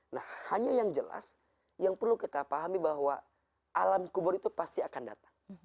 nah hanya yang jelas yang perlu kita pahami bahwa alam kubur itu pasti akan datang